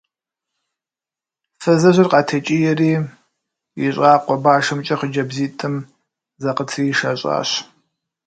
Фызыжьыр къатекӀиери и щӀакъуэ башымкӀэ хъыджэбзитӀым закъытришэщӀащ.